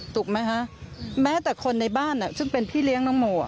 ถูกไหมคะแม้แต่คนในบ้านซึ่งเป็นพี่เลี้ยงน้องโม